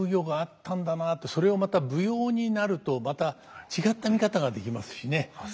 それをまた舞踊になるとまた違った見方ができますしね。